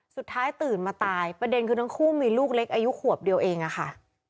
สุดท้ายตื่นมาตายประเด็นคือทั้งคู่มีลูกเล็กอายุขวบเดียวเองอะค่ะ